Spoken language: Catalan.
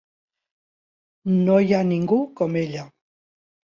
No hi ha ningú com ella.